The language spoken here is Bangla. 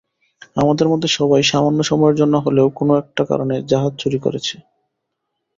আমাদের মধ্যে সবাই সামান্য সময়ের জন্য হলেও কোনো একটা কারণে জাহাজ চুরি করেছে।